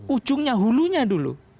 ujungnya hulunya dulu